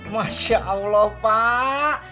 masya allah pak